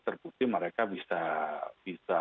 terbukti mereka bisa